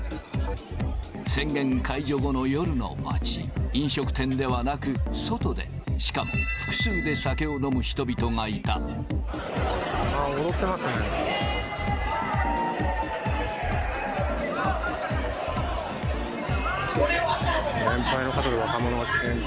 宣言解除後の夜の街、飲食店ではなく、外で、しかも複数で酒を飲踊ってますね。